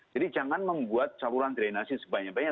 jadi jangan membuat saluran drainasi sebanyak banyak